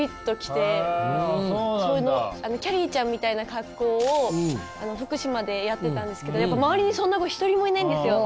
きゃりーちゃんみたいな格好を福島でやってたんですけどやっぱ周りにそんな子一人もいないんですよ。